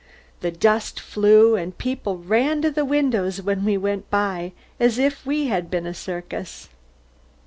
The dust flew, and people ran to the windows when we went by, as if we had been a circus.